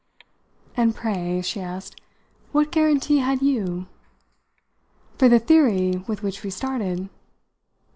"And pray," she asked, "what guarantee had you?" "For the theory with which we started?